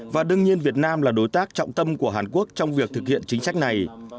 và đương nhiên việt nam là đối tác trọng tâm của hàn quốc trong việc thực hiện chính sách này